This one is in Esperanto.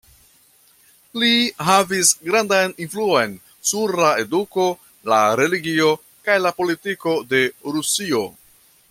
Li havis grandan influon sur la eduko, la religio kaj la politiko de Rusio.